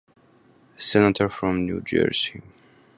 Senator from New Jersey.